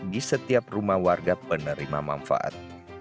di setiap rumah warga penerima manfaat